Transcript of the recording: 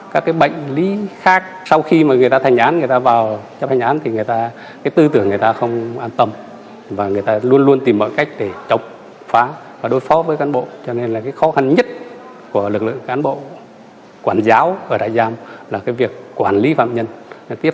các bạn hãy đăng ký kênh để ủng hộ kênh của mình nhé